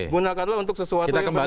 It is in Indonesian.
gunakanlah untuk sesuatu yang benar